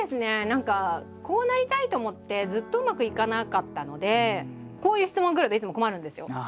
何かこうなりたいと思ってずっとうまくいかなかったのでこういう質問くるといつも困るんですよ。